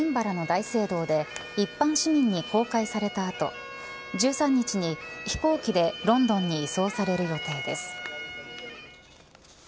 女王のひつぎはエディンバラの大聖堂で一般市民に公開された後１３日に飛行機でロンドンに移送される予定です。